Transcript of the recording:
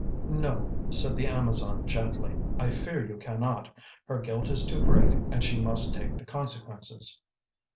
"No," said the Amazon, gently, "I fear you cannot. Her guilt is too great, and she must take the consequences."